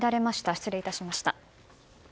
失礼いたしました。